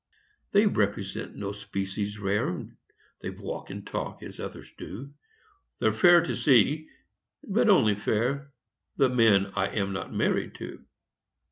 They represent no species rare, They walk and talk as others do; They're fair to see but only fair The men I am not married to.